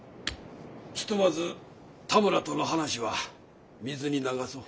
ひとまず多村との話は水に流そう。